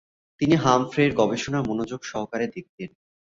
তিনি হামফ্রের গবেষণা মনোযোগ সহকারে দেখতেন।